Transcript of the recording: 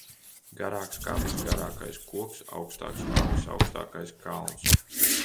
Garāks kā visgarākais koks, augstāks kā visaugstākais kalns.